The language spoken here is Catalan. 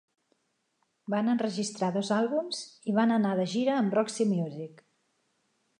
Van enregistrar dos àlbums i van anar de gira amb Roxy Music.